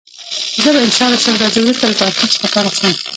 زه به انشا الله شل ورځې وروسته له پوهنتون څخه فارغ شم.